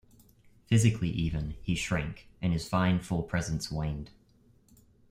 Physically even, he shrank, and his fine full presence waned.